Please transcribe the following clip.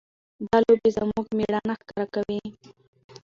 دا لوبې زموږ مېړانه ښکاره کوي.